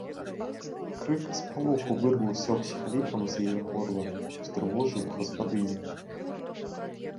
Крык спалоху вырваўся ўсхліпам з яе горла, устрывожыў гаспадыню.